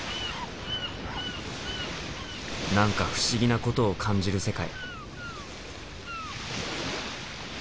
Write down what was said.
何か不思議なことを感じる世界。